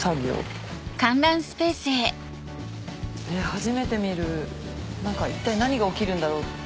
初めて見る一体何が起きるんだろう？